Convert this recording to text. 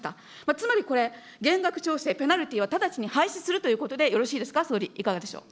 つまりこれ、減額調整、ペナルティーは直ちに廃止するということでよろしいですか、総理、いかがでしょう。